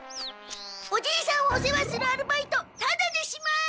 おじいさんをお世話するアルバイトタダでします！